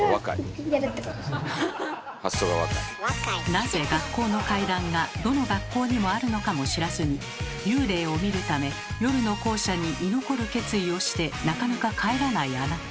なぜ学校の怪談がどの学校にもあるのかも知らずに幽霊を見るため夜の校舎に居残る決意をしてなかなか帰らないあなた。